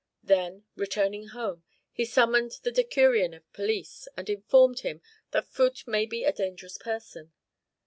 Then, returning home, he summoned the decurion of police, and informed him that Phut might be a dangerous person.